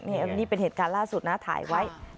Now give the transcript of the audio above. อันนี้เป็นเหตุการณ์ล่าสุดนะถ่ายไว้